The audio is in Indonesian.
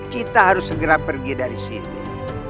kita harus segera pergi dari sini